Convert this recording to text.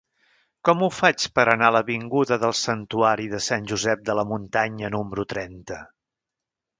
Com ho faig per anar a l'avinguda del Santuari de Sant Josep de la Muntanya número trenta?